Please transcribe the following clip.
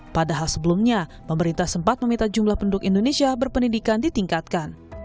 padahal sebelumnya pemerintah sempat meminta jumlah penduduk indonesia berpendidikan ditingkatkan